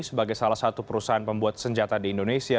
sebagai salah satu perusahaan pembuat senjata di indonesia